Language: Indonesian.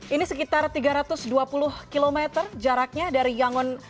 ini sekitar tiga ratus dua puluh km jaraknya dari yangon